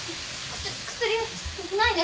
薬ないね。